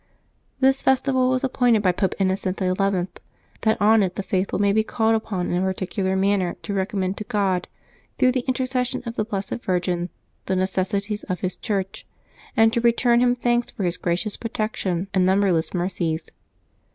J^His festival was appointed by Pope Innocent XI., that KmJ on it the faithful may be called upon in a particular manner to recommend to God, through the intercession of the Blessed Virgin, the necessities of His Church, and to return Him thanks for His gracious protection and number less mercies.